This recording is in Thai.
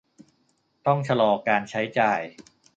ต้องชะลอการใช้จ่าย